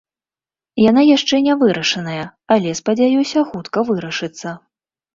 Яна яшчэ не вырашаная, але спадзяюся хутка вырашыцца.